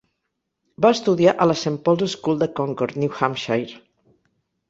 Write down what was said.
Va estudiar a la Saint Paul's School de Concord, New Hampshire.